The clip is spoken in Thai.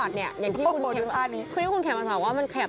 ชอบความแบบ